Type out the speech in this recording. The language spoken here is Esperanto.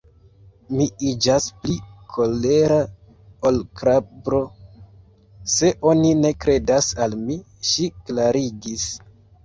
Mi iĝas pli kolera ol krabro, se oni ne kredas al mi, ŝi klarigis.